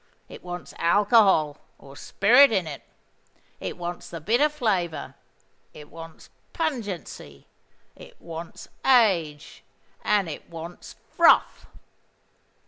It wants alcohol, or spirit in it; it wants the bitter flavour; it wants pungency; it wants age; and it wants froth.